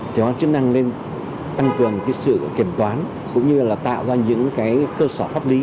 chúng ta chức năng lên tăng cường cái sự kiểm toán cũng như là tạo ra những cái cơ sở pháp lý